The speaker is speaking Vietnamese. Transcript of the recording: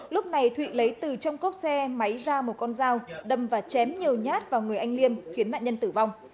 lúc này thụy lấy từ trong cốp xe máy ra một con dao đâm và chém nhiều nhát vào người anh liêm khiến nạn nhân tử vong